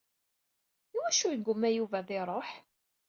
I wacu yeggumma Yuba ad iṛuḥ?